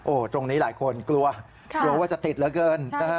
ตรงนี้หลายคนกลัวกลัวว่าจะติดเหลือเกินนะฮะ